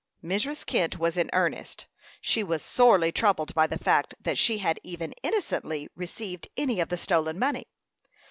Mrs. Kent was in earnest. She was sorely troubled by the fact that she had even innocently received any of the stolen money.